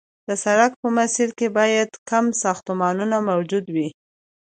د سړک په مسیر کې باید کم ساختمانونه موجود وي